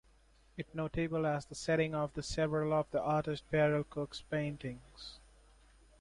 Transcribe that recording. It notable as the setting of several of the artist Beryl Cook's paintings.